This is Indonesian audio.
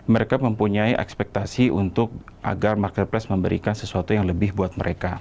mereka mempunyai ekspektasi untuk agar marketplace memberikan sesuatu yang lebih buat mereka